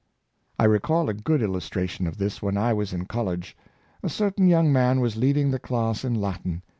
I recall a good illustration of this when I was in col lege. A certain young man was leading the class in Latin.